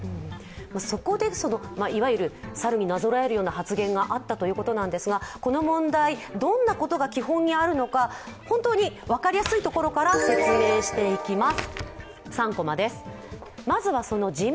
そこで、いわゆる猿になぞらえるような発言があったんですが、この問題、どんなことが基本にあるのか、本当に分かりやすいところから説明していきます。